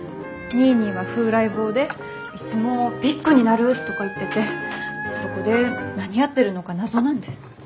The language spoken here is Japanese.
ニーニーは風来坊でいつも「ビッグになる！」とか言っててどこで何やってるのか謎なんです。